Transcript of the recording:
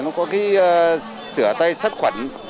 nó có cái sửa tay sát khoản